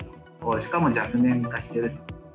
しかも若年化している。